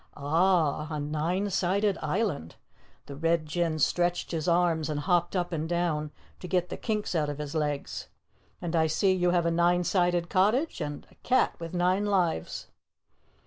"Ah, a nine sided island!" The Red Jinn stretched his arms and hopped up and down to get the kinks out of his legs. "And I see you have a nine sided cottage and a cat with nine lives."